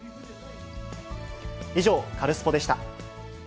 以上、カルスポっ！でした。